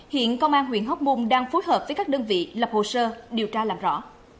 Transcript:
hiện công an huyện hóc môn đang phối hợp với các đơn vị lập hồ sơ điều tra làm rõ